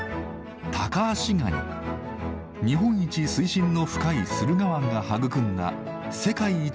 日本一水深の深い駿河湾が育んだ世界一